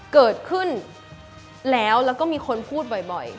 เกิดขึ้นแล้วแล้วก็มีคนพูดบ่อย